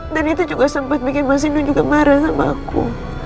dan itu juga sempat bikin mas nino juga marah sama aku